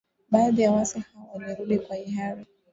Baadhi ya waasi hao walirudi kwa hiari